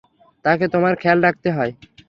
তাকে তোমার খেয়াল রাখতে হয়।